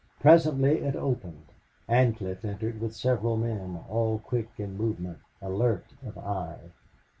Presently it opened. Ancliffe entered with several men, all quick in movement, alert of eye.